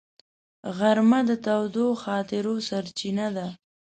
غرمه د تودو خاطرو سرچینه ده